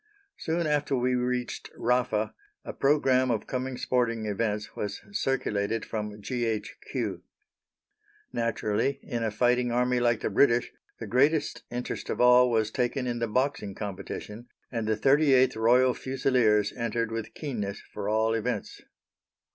Soon after we reached Rafa a programme of coming sporting events was circulated from G.H.Q. Naturally, in a fighting army like the British, the greatest interest of all was taken in the Boxing competition, and the 38th Royal Fusiliers entered with keenness for all events.